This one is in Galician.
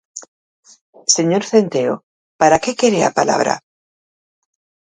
Señor Centeo, ¿para que quere a palabra?